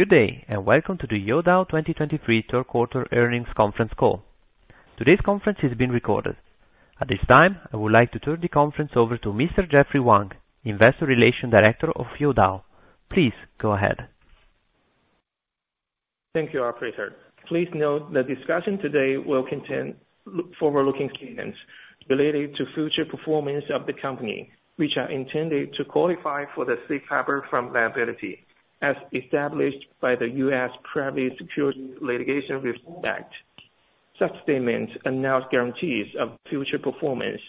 Good day, and welcome to the Youdao 2023 third quarter earnings conference call. Today's conference is being recorded. At this time, I would like to turn the conference over to Mr. Jeffrey Wang, Investor Relations Director of Youdao. Please go ahead. Thank you, operator. Please note the discussion today will contain forward-looking statements related to future performance of the company, which are intended to qualify for the safe harbor from liability, as established by the U.S. Private Securities Litigation Reform Act. Such statements are not guarantees of future performance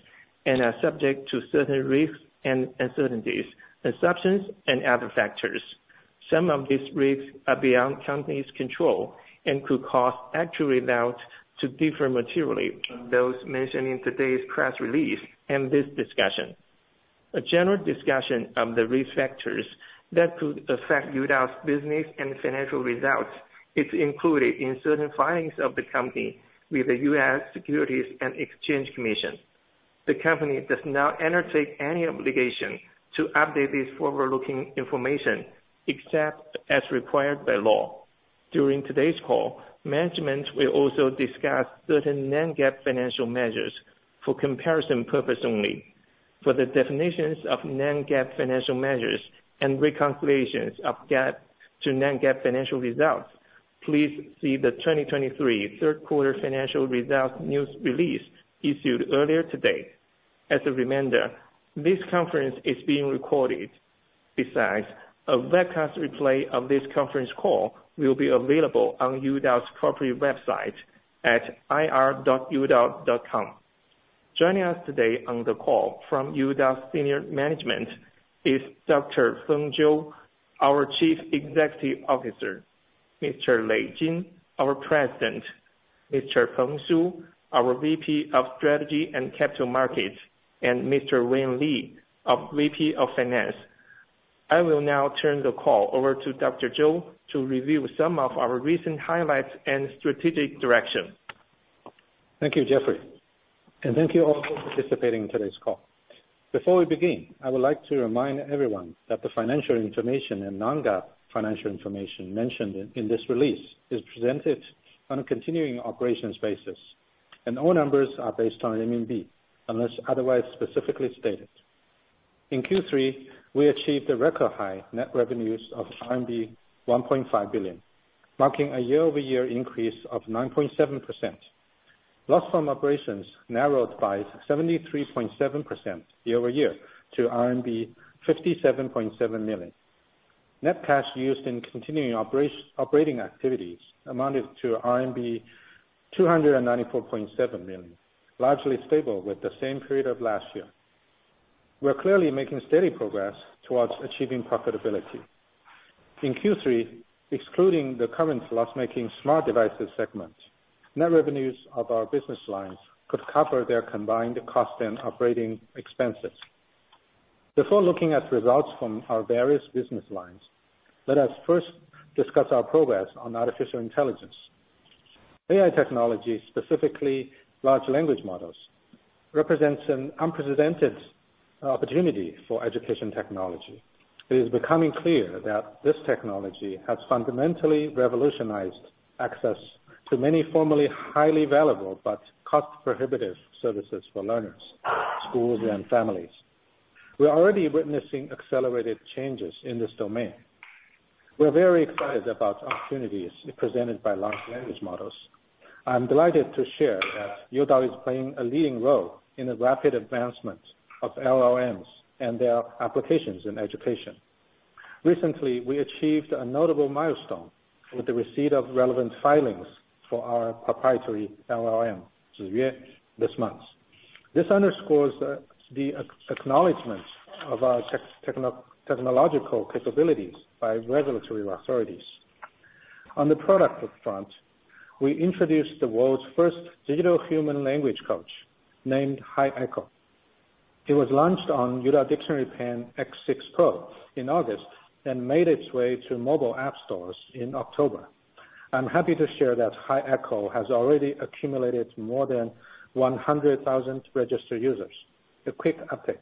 and are subject to certain risks and uncertainties, assumptions, and other factors. Some of these risks are beyond company's control and could cause actual results to differ materially from those mentioned in today's press release and this discussion. A general discussion of the risk factors that could affect Youdao's business and financial results is included in certain filings of the company with the U.S. Securities and Exchange Commission. The company does not undertake any obligation to update this forward-looking information, except as required by law. During today's call, management will also discuss certain non-GAAP financial measures for comparison purpose only. For the definitions of non-GAAP financial measures and reconciliations of GAAP to non-GAAP financial results, please see the 2023 third quarter financial results news release issued earlier today. As a reminder, this conference is being recorded. Besides, a webcast replay of this conference call will be available on Youdao's corporate website at ir.youdao.com. Joining us today on the call from Youdao Senior Management is Dr. Feng Zhou, our Chief Executive Officer, Mr. Lei Jin, our President, Mr. Peng Su, our VP of Strategy and Capital Markets, and Mr. Wayne Li, our VP of Finance. I will now turn the call over to Dr. Zhou to review some of our recent highlights and strategic direction. Thank you, Jeffrey, and thank you all for participating in today's call. Before we begin, I would like to remind everyone that the financial information and non-GAAP financial information mentioned in this release is presented on a continuing operations basis, and all numbers are based on RMB, unless otherwise specifically stated. In Q3, we achieved a record high net revenues of RMB 1.5 billion, marking a year-over-year increase of 9.7%. Loss from operations narrowed by 73.7% year-over-year to RMB 57.7 million. Net cash used in continuing operating activities amounted to RMB 294.7 million, largely stable with the same period of last year. We are clearly making steady progress towards achieving profitability. In Q3, excluding the current loss-making smart devices segment, net revenues of our business lines could cover their combined cost and operating expenses. Before looking at results from our various business lines, let us first discuss our progress on artificial intelligence. AI technology, specifically large language models, represents an unprecedented opportunity for education technology. It is becoming clear that this technology has fundamentally revolutionized access to many formerly highly valuable but cost-prohibitive services for learners, schools, and families. We are already witnessing accelerated changes in this domain. We're very excited about the opportunities presented by large language models. I'm delighted to share that Youdao is playing a leading role in the rapid advancement of LLMs and their applications in education. Recently, we achieved a notable milestone with the receipt of relevant filings for our proprietary LLM, Ziyue, this month. This underscores the acknowledgment of our technological capabilities by regulatory authorities. On the product front, we introduced the world's first digital human language coach, named Hi Echo. It was launched on Youdao Dictionary Pen X6 Pro in August and made its way to mobile app stores in October. I'm happy to share that Hi Echo has already accumulated more than 100,000 registered users. A quick update.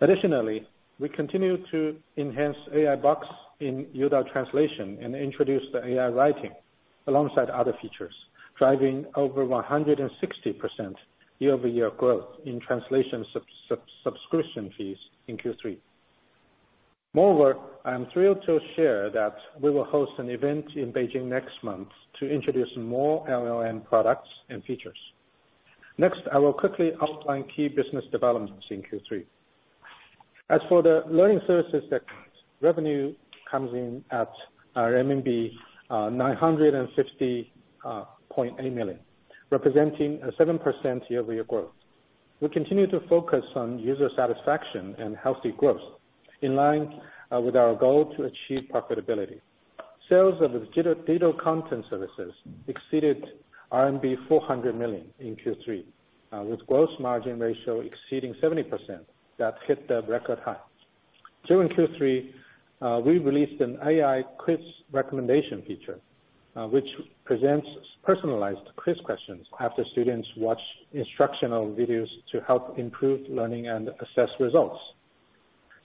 Additionally, we continue to enhance AI Box in Youdao Translation and introduce the AI writing alongside other features, driving over 160% year-over-year growth in translation subscription fees in Q3. Moreover, I am thrilled to share that we will host an event in Beijing next month to introduce more LLM products and features. Next, I will quickly outline key business developments in Q3. As for the learning services segment, revenue comes in at RMB 960.8 million, representing a 7% year-over-year growth. We continue to focus on user satisfaction and healthy growth in line with our goal to achieve profitability. Sales of the digital content services exceeded RMB 400 million in Q3, with gross margin ratio exceeding 70%. That hit the record high. During Q3, we released an AI quiz recommendation feature, which presents personalized quiz questions after students watch instructional videos to help improve learning and assess results.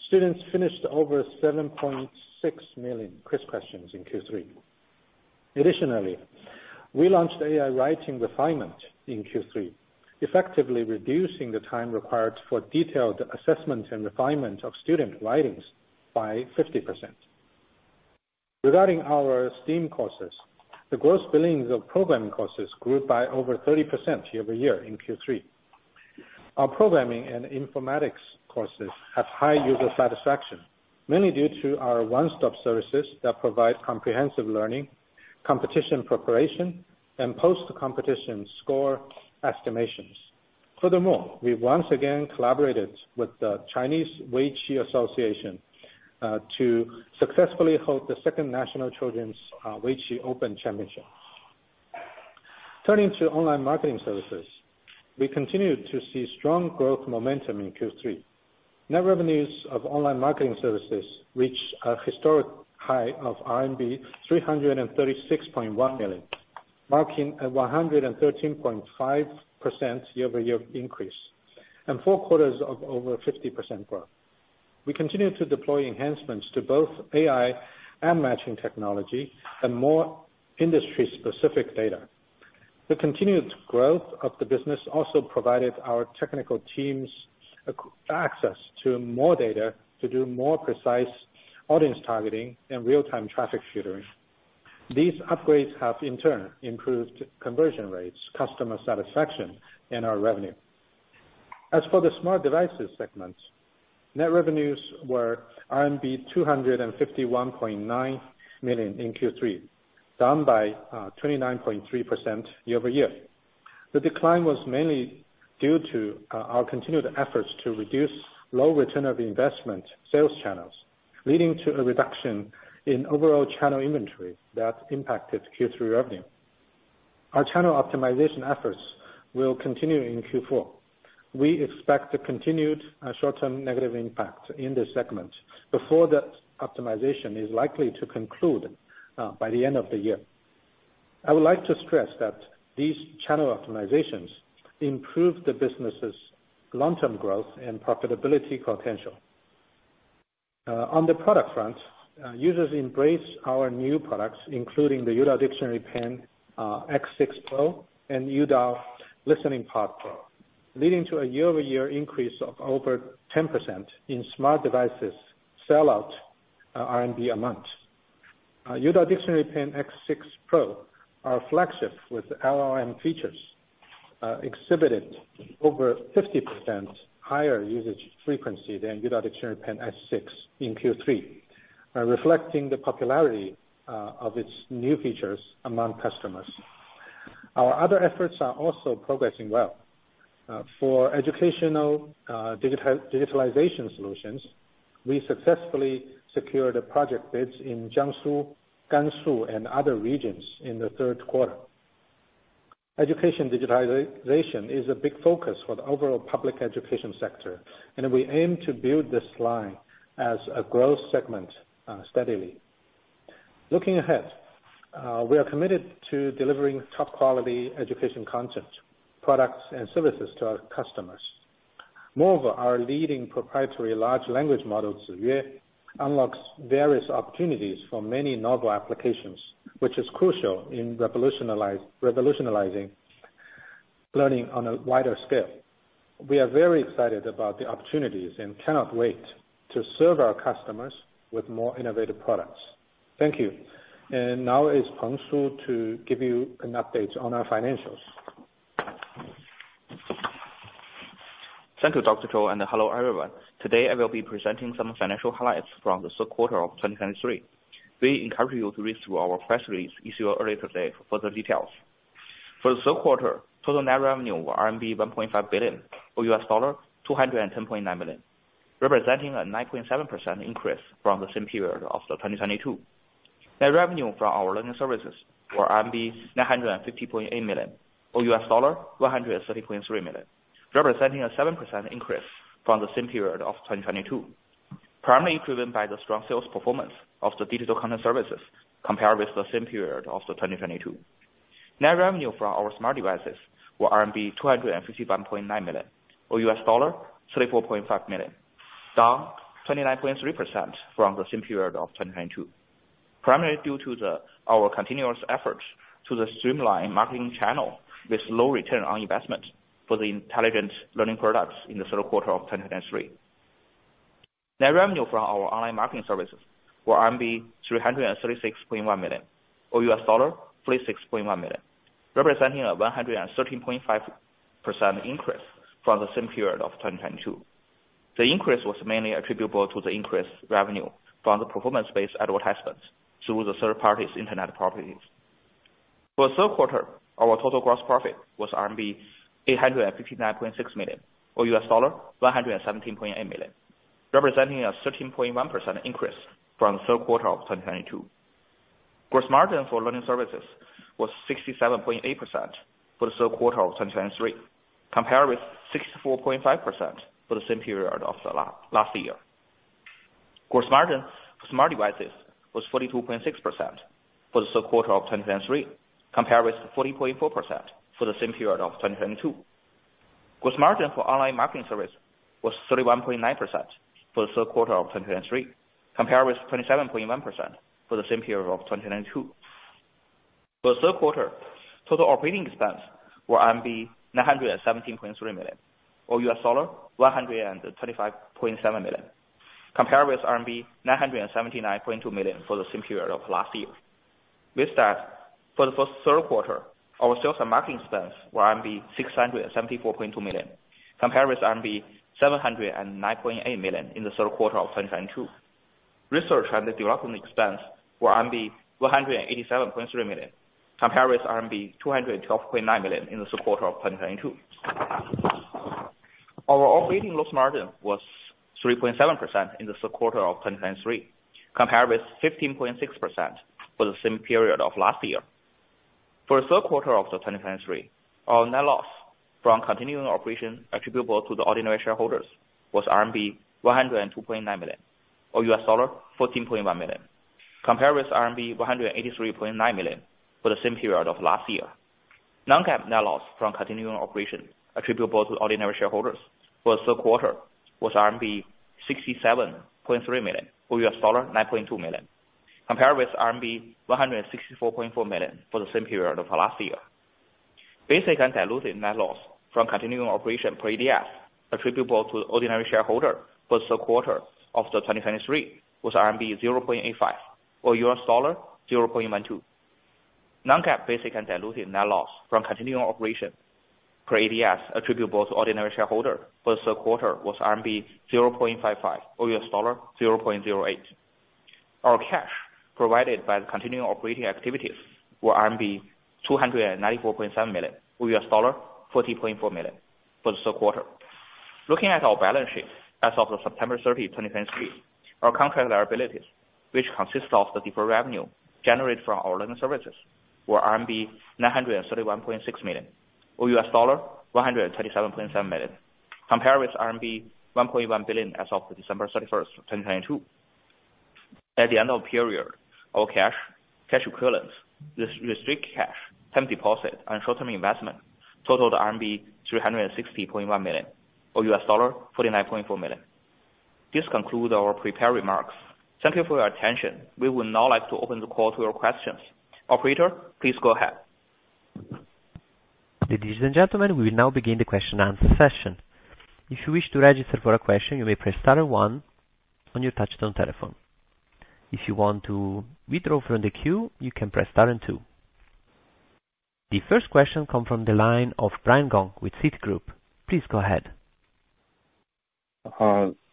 Students finished over 7.6 million quiz questions in Q3. Additionally, we launched AI writing refinement in Q3, effectively reducing the time required for detailed assessment and refinement of student writings by 50%. Regarding our STEAM courses, the gross billings of programming courses grew by over 30% year-over-year in Q3. Our programming and informatics courses have high user satisfaction, mainly due to our one-stop services that provide comprehensive learning, competition preparation, and post-competition score estimations. Furthermore, we once again collaborated with the Chinese Weiqi Association to successfully hold the second National Children's Weiqi Open Championship. Turning to online marketing services, we continued to see strong growth momentum in Q3. Net revenues of online marketing services reached a historic high of RMB 336.1 million, marking a 113.5% year-over-year increase, and four quarters of over 50% growth. We continue to deploy enhancements to both AI and matching technology, and more industry-specific data. The continued growth of the business also provided our technical teams access to more data to do more precise audience targeting and real-time traffic filtering. These upgrades have, in turn, improved conversion rates, customer satisfaction, and our revenue. As for the smart devices segments, net revenues were RMB 251.9 million in Q3, down by 29.3% year-over-year. The decline was mainly due to our continued efforts to reduce low return on investment sales channels, leading to a reduction in overall channel inventory that impacted Q3 revenue. Our channel optimization efforts will continue in Q4. We expect a continued short-term negative impact in this segment before the optimization is likely to conclude by the end of the year. I would like to stress that these channel optimizations improve the business's long-term growth and profitability potential. On the product front, users embrace our new products, including the Youdao Dictionary Pen X6 Pro and Youdao Listening Pod Pro, leading to a year-over-year increase of over 10% in smart devices sellout, RMB amount. Youdao Dictionary Pen X6 Pro, our flagship with LLM features, exhibited over 50% higher usage frequency than Youdao Dictionary Pen S6 in Q3, reflecting the popularity of its new features among customers. Our other efforts are also progressing well. For educational digitalization solutions, we successfully secured project bids in Jiangsu, Gansu, and other regions in the third quarter. Education digitalization is a big focus for the overall public education sector, and we aim to build this line as a growth segment steadily. Looking ahead, we are committed to delivering top-quality education content, products, and services to our customers. Moreover, our leading proprietary large language model, Ziyue, unlocks various opportunities for many novel applications, which is crucial in revolutionizing learning on a wider scale. We are very excited about the opportunities and cannot wait to serve our customers with more innovative products. Thank you. And now it's Peng Su to give you an update on our financials. Thank you, Dr. Zhou, and hello, everyone. Today, I will be presenting some financial highlights from the third quarter of 2023. We encourage you to read through our press release issued earlier today for further details. For the third quarter, total net revenue were RMB 1.5 billion, or $210.9 million, representing a 9.7% increase from the same period of 2022. Net revenue from our learning services were RMB 950.8 million, or $130.3 million, representing a 7% increase from the same period of 2022, primarily driven by the strong sales performance of the digital content services compared with the same period of 2022. Net revenue from our smart devices was RMB 251.9 million, or $34.5 million, down 29.3% from the same period of 2022, primarily due to our continuous efforts to streamline marketing channel with low return on investment for the intelligent learning products in the third quarter of 2023. Net revenue from our online marketing services was RMB 336.1 million, or $36.1 million, representing a 113.5% increase from the same period of 2022. The increase was mainly attributable to the increased revenue from the performance-based advertisements through the third party's internet properties. For the third quarter, our total gross profit was RMB 859.6 million, or $117.8 million, representing a 13.1% increase from the third quarter of 2022. Gross margin for learning services was 67.8% for the third quarter of 2023, compared with 64.5% for the same period of the last year.... Gross margin for smart devices was 42.6% for the third quarter of 2023, compared with 40.4% for the same period of 2022. Gross margin for online marketing service was 31.9% for the third quarter of 2023, compared with 27.1% for the same period of 2022. For the third quarter, total operating expense were 917.3 million, or $125.7 million, compared with RMB 979.2 million for the same period of last year. With that, for the first third quarter, our sales and marketing expense were RMB 674.2 million, compared with RMB 709.8 million in the third quarter of 2022. Research and development expense were RMB 187.3 million, compared with RMB 212.9 million in the second quarter of 2022. Our operating gross margin was 3.7% in the third quarter of 2023, compared with 15.6% for the same period of last year. For the third quarter of 2023, our net loss from continuing operation attributable to the ordinary shareholders was RMB 102.9 million, or $14.1 million, compared with RMB 183.9 million for the same period of last year. Non-GAAP net loss from continuing operation attributable to ordinary shareholders for the third quarter was RMB 67.3 million, or $9.2 million, compared with RMB 164.4 million for the same period of last year. Basic and dilutive net loss from continuing operation per ADS, attributable to the ordinary shareholder for the third quarter of 2023, was RMB 0.85 or $0.12. Non-GAAP basic and dilutive net loss from continuing operation per ADS attributable to ordinary shareholder for the third quarter was RMB 0.55, or $0.08. Our cash provided by the continuing operating activities were RMB 294.7 million, or $40.4 million for the third quarter. Looking at our balance sheet, as of September 30, 2023, our contract liabilities, which consists of the deferred revenue generated from our learning services, were RMB 931.6 million, or $137.7 million, compared with RMB 1.1 billion as of December 31st, 2022. At the end of the period, our cash, cash equivalents, restricted cash, term deposit and short-term investment totaled RMB 360.1 million, or $49.4 million. This concludes our prepared remarks. Thank you for your attention. We would now like to open the call to your questions. Operator, please go ahead. Ladies and gentlemen, we will now begin the question and answer session. If you wish to register for a question, you may press star and one on your touchtone telephone. If you want to withdraw from the queue, you can press star and two. The first question come from the line of Brian Gong with Citigroup. Please go ahead.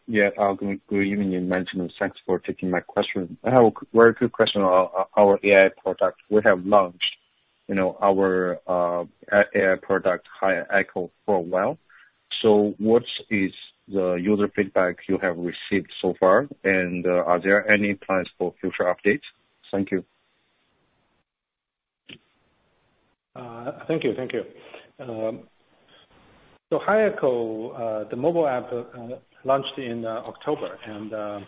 Yeah, good evening, and thanks for taking my question. I have a very quick question on our, our AI product. We have launched, you know, our, AI product, Hi Echo, for a while. So what is the user feedback you have received so far? And, are there any plans for future updates? Thank you. Thank you. Thank you. So Hi Echo, the mobile app, launched in October, and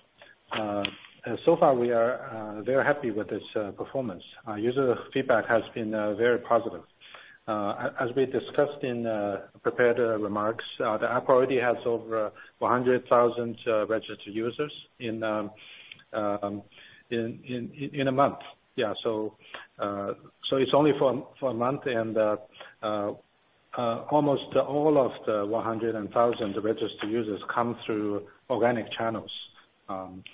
so far we are very happy with its performance. Our user feedback has been very positive. As we discussed in prepared remarks, the app already has over 100,000 registered users in a month. Yeah, so it's only for a month and almost all of the 100,000 registered users come through organic channels. And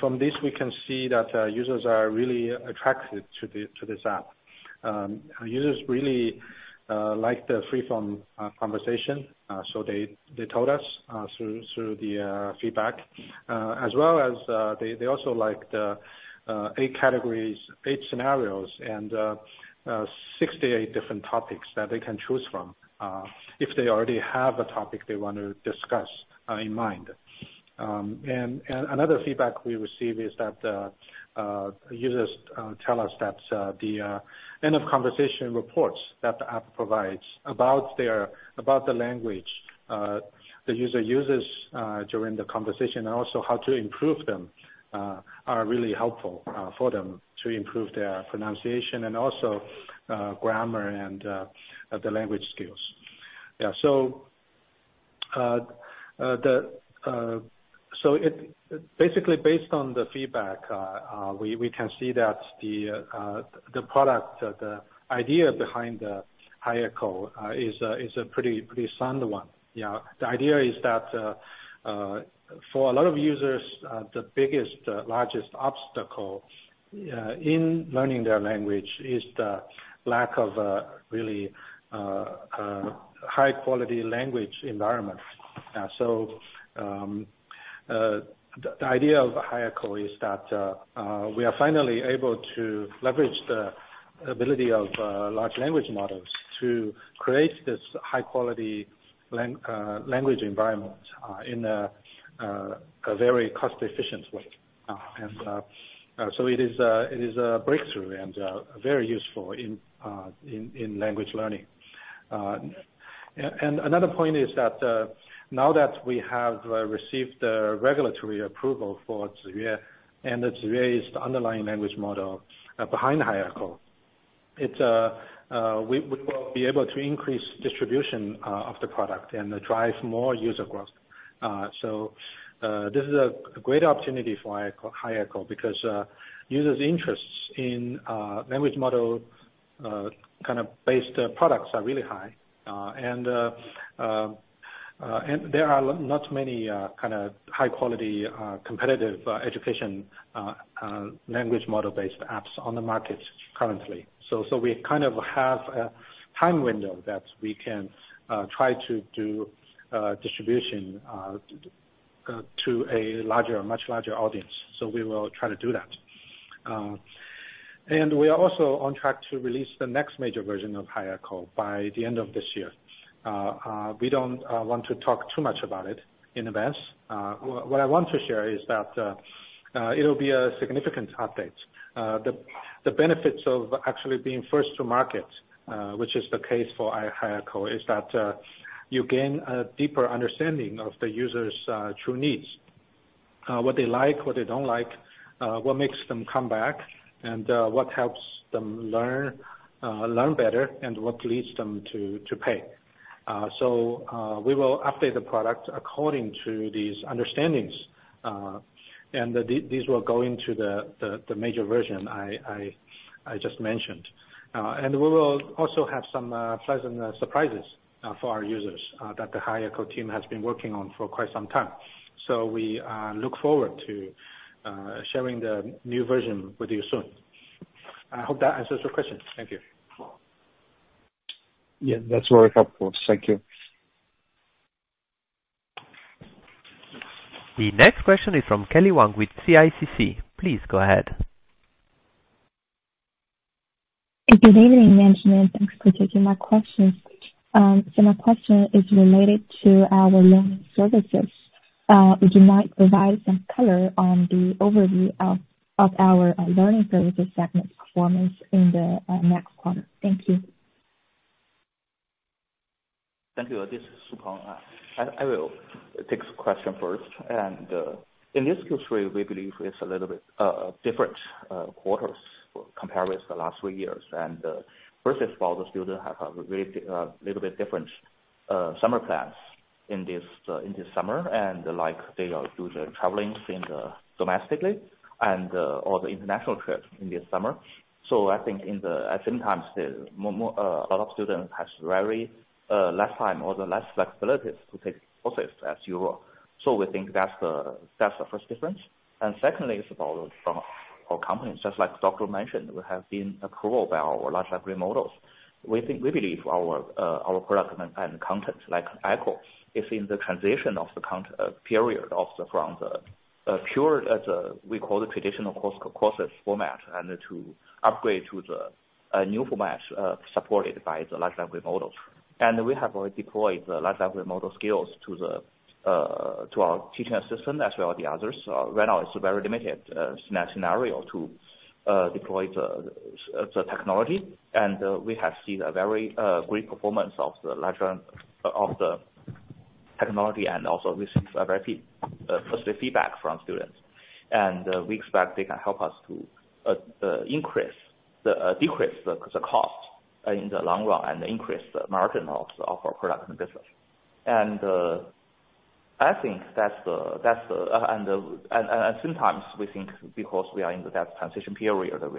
from this, we can see that users are really attracted to this app. Users really like the freeform conversation, so they told us through the feedback. As well as, they also like the eight categories, eight scenarios, and 68 different topics that they can choose from, if they already have a topic they want to discuss in mind. And another feedback we receive is that users tell us that the end of conversation reports that the app provides about the language the user uses during the conversation, and also how to improve them, are really helpful for them to improve their pronunciation and also grammar and the language skills. Yeah, so basically based on the feedback, we can see that the product, the idea behind the Hi Echo, is a pretty sound one. Yeah. The idea is that for a lot of users, the biggest, largest obstacle in learning their language is the lack of a really high quality language environment. The idea of Hi Echo is that we are finally able to leverage the ability of large language models to create this high quality language environment in a very cost-efficient way. And so it is a breakthrough and very useful in language learning. And another point is that now that we have received the regulatory approval for Ziyue, and it's raised the underlying language model behind Hi Echo, it's. We would well be able to increase distribution of the product and drive more user growth. So this is a great opportunity for Hi Echo, Hi Echo, because users' interests in language model kind of based products are really high. And there are not many kind of high quality competitive education language model-based apps on the market currently. So we kind of have a time window that we can try to do distribution to a larger much larger audience. So we will try to do that. We are also on track to release the next major version of Hi Echo by the end of this year. We don't want to talk too much about it in advance. What I want to share is that it'll be a significant update. The benefits of actually being first to market, which is the case for Hi Echo, is that you gain a deeper understanding of the users' true needs. What they like, what they don't like, what makes them come back, and what helps them learn better, and what leads them to pay. So we will update the product according to these understandings, and these will go into the major version I just mentioned. And we will also have some pleasant surprises for our users that the Hi Echo team has been working on for quite some time. So we look forward to sharing the new version with you soon. I hope that answers your question. Thank you. Yeah, that's very helpful. Thank you. The next question is from Kelly Wang with CICC. Please go ahead. Good evening, management. Thanks for taking my questions. My question is related to our learning services. Would you mind provide some color on the overview of our learning services segment performance in the next quarter? Thank you. Thank you. This is Peng Su. I will take this question first. And, in this Q3, we believe it's a little bit different quarters compared with the last three years. And, first of all, the students have a very little bit different summer plans in this summer, and, like, they are doing the traveling domestically and or the international trips in this summer. So I think at sometimes, the more a lot of students has very less time or the less flexibility to take courses as usual. So we think that's the first difference. And secondly, it's about our companies, just like Dr. mentioned, we have been approved by our large language models. We think we believe our product and content, like Echo, is in the transition of the current period from the pure the we call the traditional courses format, and to upgrade to the new format supported by the large language models. We have already deployed the large language model scales to our teaching assistant as well as the others. Right now, it's a very limited scenario to deploy the technology. We have seen a very great performance of the large language of the technology, and also received a very positive feedback from students. We expect they can help us to decrease the cost in the long run and increase the margin of our product and business. I think that's the sometimes we think because we are in that transition period, that we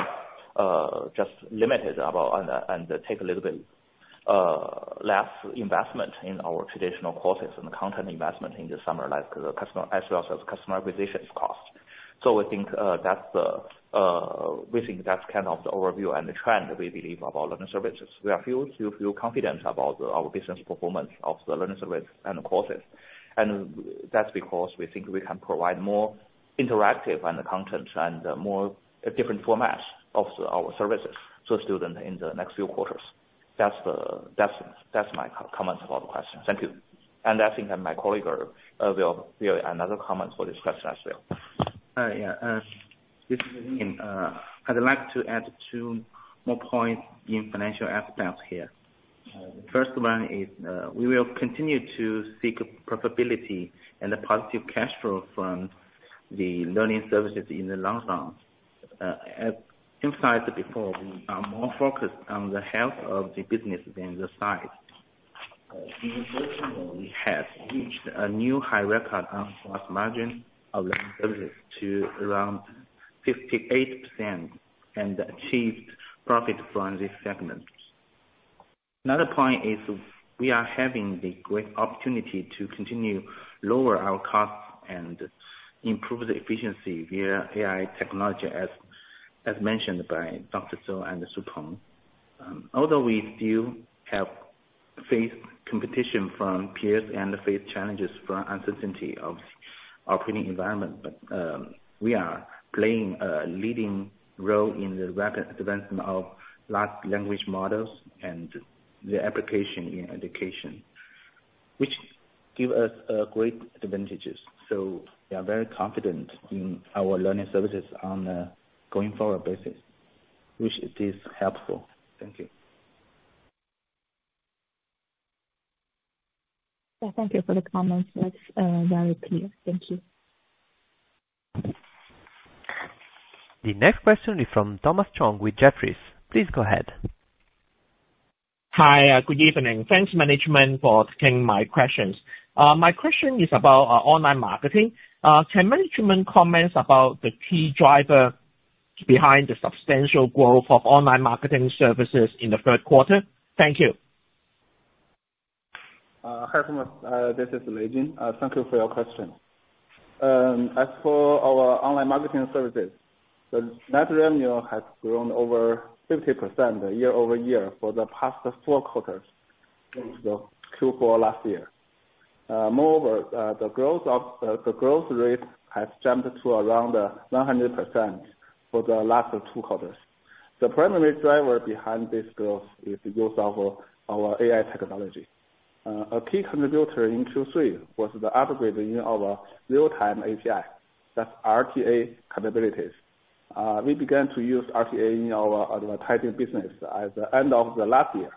just limited about and take a little bit less investment in our traditional courses and content investment in the summer, like the customer, as well as customer acquisitions cost. So we think that's kind of the overview and the trend we believe of our learning services. We feel confident about our business performance of the learning services and courses, and that's because we think we can provide more interactive and content and more different formats of our services to student in the next few quarters. That's my comments about the question. Thank you. I think that my colleague will add her comments for discussion as well. Yeah, this is Ming. I'd like to add two more points in financial aspects here. The first one is, we will continue to seek profitability and a positive cash flow from the learning services in the long run. As emphasized before, we are more focused on the health of the business than the size. In the first quarter, we have reached a new high record on cost margin of learning services to around 58% and achieved profit from this segment. Another point is we are having the great opportunity to continue lower our costs and improve the efficiency via AI technology, as mentioned by Dr. Su and Peng Su. Although we still have faced competition from peers and faced challenges from uncertainty of our operating environment, but, we are playing a leading role in the rapid advancement of large language models and the application in education, which give us great advantages. So we are very confident in our learning services on a going forward basis, which is helpful. Thank you. Yeah, thank you for the comments. That's very clear. Thank you. The next question is from Thomas Chong with Jefferies. Please go ahead. Hi, good evening. Thanks, management, for taking my questions. My question is about online marketing. Can management comment about the key driver behind the substantial growth of online marketing services in the third quarter? Thank you. Hi, Thomas, this is Lei Jin. Thank you for your question. As for our online marketing services, the net revenue has grown over 50% year-over-year for the past four quarters, since the Q4 last year. Moreover, the growth rate has jumped to around 100% for the last two quarters. The primary driver behind this growth is the growth of our AI technology. A key contributor in Q3 was the upgrading of real-time API, that's RTA capabilities. We began to use RTA in our advertising business at the end of the last year.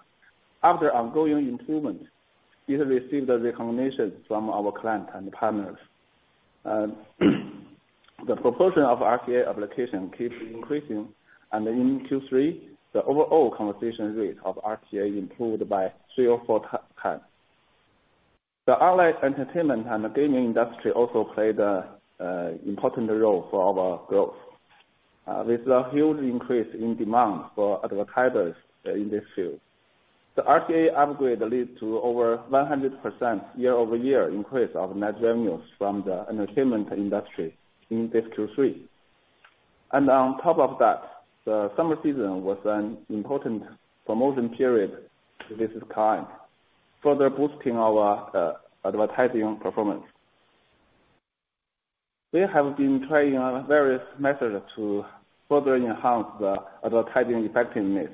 After ongoing improvements, it received the recognition from our clients and partners. The proportion of RTA application keeps increasing, and in Q3, the overall conversation rate of RTA improved by three or four times. The online entertainment and the gaming industry also played an important role for our growth. There's a huge increase in demand for advertisers in this field. The RTA upgrade leads to over 100% year-over-year increase of net revenues from the entertainment industry in this Q3. On top of that, the summer season was an important promotion period this time, further boosting our advertising performance. We have been trying out various methods to further enhance the advertising effectiveness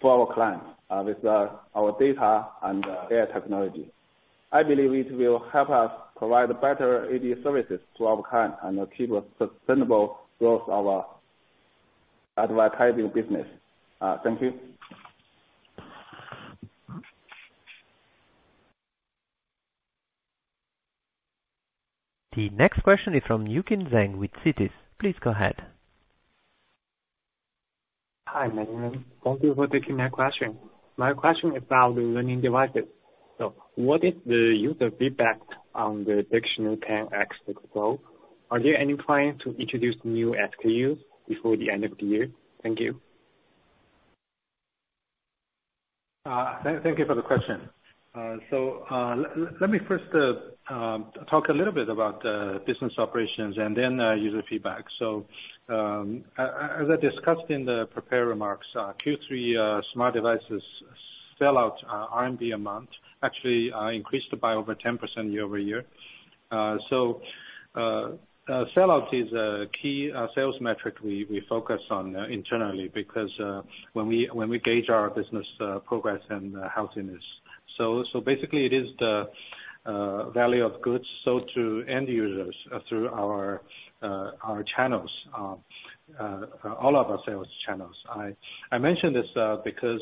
for our clients with our data and AI technology. I believe it will help us provide better ad services to our client and achieve a sustainable growth of our advertising business. Thank you. The next question is from Yukin Zhang with Citi. Please go ahead. Hi, management. Thank you for taking my question. My question is about the learning devices. So what is the user feedback on the Dictionary Pen X6 Pro? Are there any plans to introduce new SKUs before the end of the year? Thank you. Thank you for the question. So let me first talk a little bit about the business operations and then user feedback. So as I discussed in the prepared remarks, Q3 smart devices sellout RMB amount actually increased by over 10% year-over-year. So sellout is a key sales metric we focus on internally because when we gauge our business progress and healthiness. So basically it is the value of goods sold to end users through our channels, all of our sales channels. I mention this because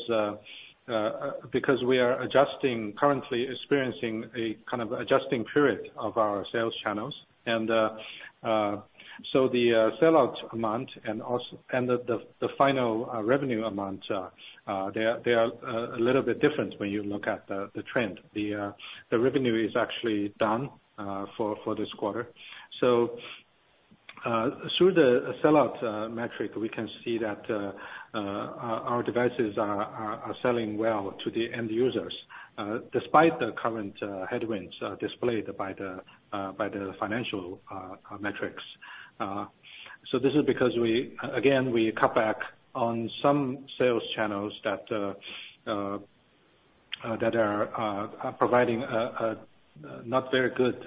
we are currently experiencing a kind of adjusting period of our sales channels. So the sellout amount and also the final revenue amount, they are a little bit different when you look at the trend. The revenue is actually down for this quarter. So through the sellout metric, we can see that our devices are selling well to the end users, despite the current headwinds displayed by the financial metrics. So this is because we, again, cut back on some sales channels that are providing a not very good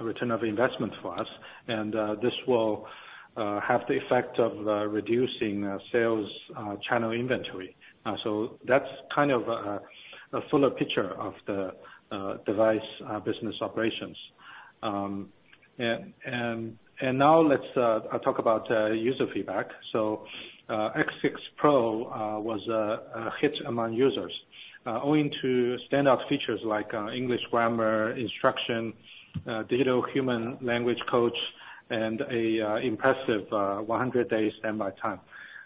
return of investment for us, and this will have the effect of reducing sales channel inventory. So that's kind of a fuller picture of the device business operations. And now let's talk about user feedback. So X6 Pro was a hit among users owing to standout features like English grammar instruction, digital human language coach, and an impressive 100-day standby time.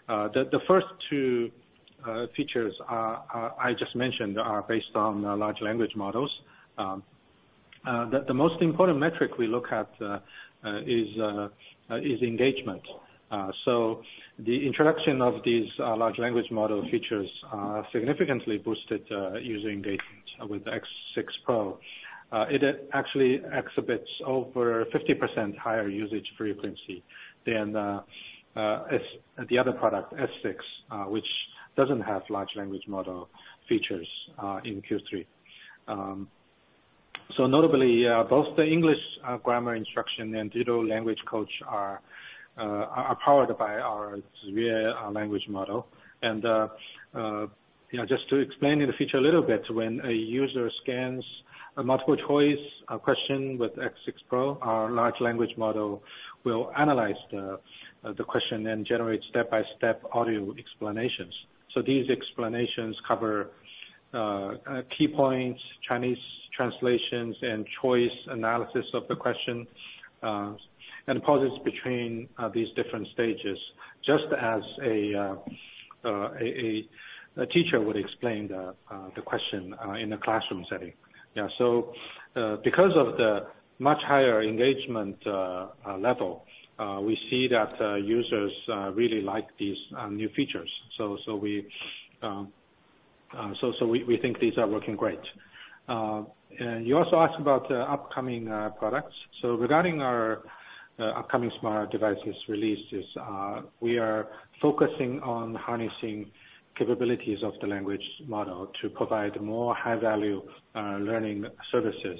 The first two features I just mentioned are based on large language models. The most important metric we look at is engagement. So the introduction of these large language model features significantly boosted user engagement with the X6 Pro. It actually exhibits over 50% higher usage frequency than the other product, S6, which doesn't have large language model features in Q3. So notably, both the English grammar instruction and digital language coach are powered by our Ziyue language model. And, you know, just to explain the feature a little bit, when a user scans a multiple-choice question with X6 Pro, our large language model will analyze the question and generate step-by-step audio explanations. So these explanations cover key points, Chinese translations, and choice analysis of the question, and pauses between these different stages, just as a teacher would explain the question in a classroom setting. Yeah, so because of the much higher engagement level, we see that users really like these new features. So we think these are working great. You also asked about upcoming products. So regarding our upcoming smart devices releases, we are focusing on harnessing capabilities of the language model to provide more high-value learning services,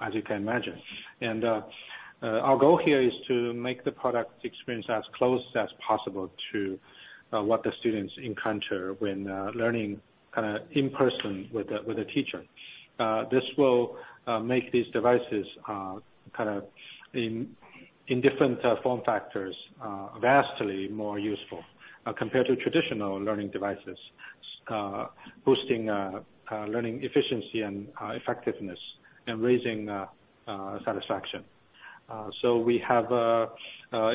as you can imagine. Our goal here is to make the product experience as close as possible to what the students encounter when learning kinda in person with a teacher. This will make these devices kind of in different form factors vastly more useful compared to traditional learning devices, boosting learning efficiency and effectiveness and raising satisfaction. So we have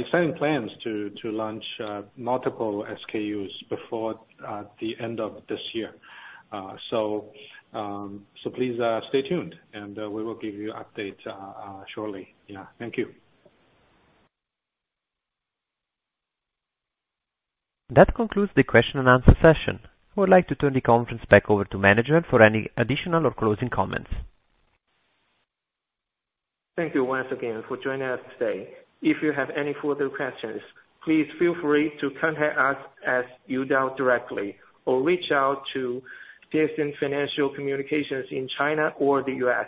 exciting plans to launch multiple SKUs before the end of this year. So, please stay tuned, and we will give you updates shortly. Yeah. Thank you. That concludes the question and answer session. I would like to turn the conference back over to management for any additional or closing comments. Thank you once again for joining us today. If you have any further questions, please feel free to contact us at Youdao directly or reach out to The Piacente Group in China or the U.S.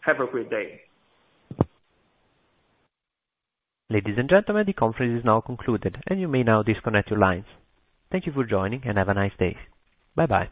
Have a great day! Ladies and gentlemen, the conference is now concluded, and you may now disconnect your lines. Thank you for joining, and have a nice day. Bye-bye.